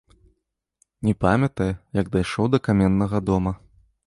Не памятае, як дайшоў да каменнага дома.